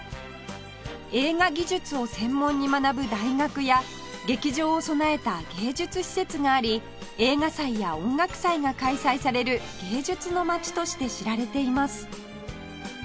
映画技術を専門に学ぶ大学や劇場を備えた芸術施設があり映画祭や音楽祭が開催される芸術の街として知られています